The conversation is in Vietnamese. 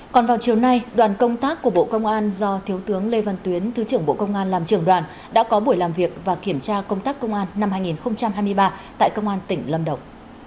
còn vào chiều nay đoàn công tác của bộ công an do thiếu tướng lê văn tuyến thứ trưởng bộ công an làm trưởng đoàn đã có buổi làm việc và kiểm tra công tác công an năm hai nghìn hai mươi ba tại công an tỉnh lâm đồng